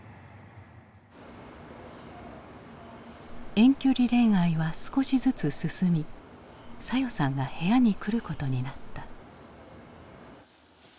遠距離恋愛は少しずつ進み早代さんが部屋に来ることになった。